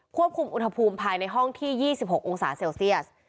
ควบคุมอุณหภูมิภายในห้องที่๒๖องศาเซลเซียส